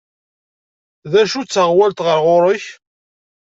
D acu d taɣwalt ɣer ɣur-k?